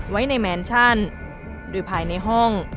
ไว้ในแมนชั่นโดยภายในห้อง